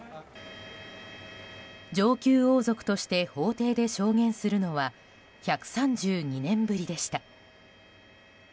上級王族として法廷で証言するのは１３２年ぶりでした。